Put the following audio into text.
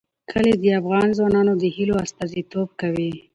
کلي د افغان ځوانانو د هیلو استازیتوب کوي.